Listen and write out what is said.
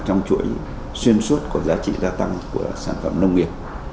trong chuỗi xuyên suốt có giá trị gia tăng của sản phẩm nông nghiệp